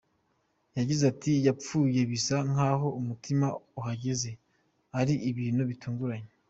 Yagize ati “Yapfuye bisa nk’aho umutima uhagaze, ari ibintu bitunguranye.